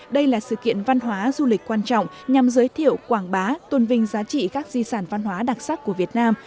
đây là sự kiện văn hóa du lịch quan trọng nhằm giới thiệu quảng bá tuân vinh giá trị các di sản văn hóa đặc sắc của việt nam